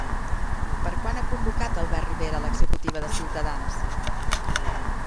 Per quan ha convocat Albert Rivera a l'executiva de Ciutadans?